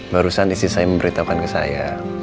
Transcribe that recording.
barusan istri saya memberitahukan ke saya